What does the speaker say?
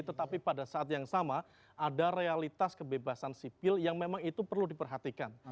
tetapi pada saat yang sama ada realitas kebebasan sipil yang memang itu perlu diperhatikan